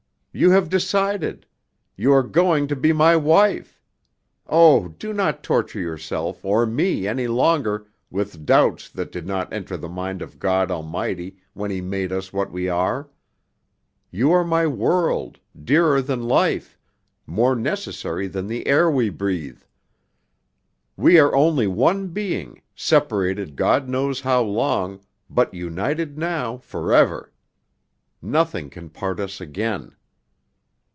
You have decided; you are going to be my wife. Oh, do not torture yourself or me any longer with doubts that did not enter the mind of God Almighty when He made us what we are. You are my world, dearer than life, more necessary than the air we breathe. We are only one being, separated God knows how long, but united now forever. Nothing can part us again."